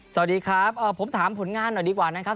สวัสดีครับผมถามผลงานหน่อยดีกว่านะครับ